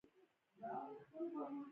او اوبو کي به یاقوت او زمرود وي